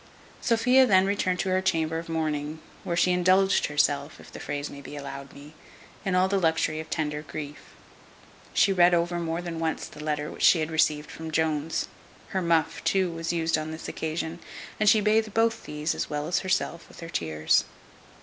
Sophia then returned to her chamber of mourning, where she indulged herself (if the phrase may be allowed me) in all the luxury of tender grief. She read over more than once the letter which she had received from Jones; her muff too was used on this occasion; and she bathed both these, as well as herself, with her tears.